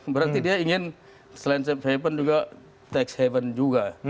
berarti dia ingin selain safe haven juga tax haven juga